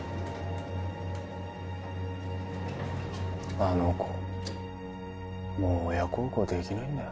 あの子もう親孝行できないんだよ